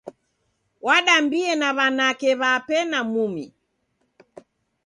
Wadambie na w'anake w'ape na mumi.